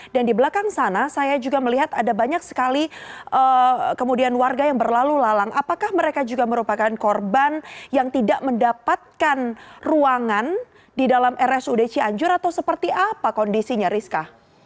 dan di belakang sana saya juga melihat ada banyak sekali kemudian warga yang berlalu lalang apakah mereka juga merupakan korban yang tidak mendapatkan ruangan di dalam rsud cianjur atau seperti apa kondisinya rizka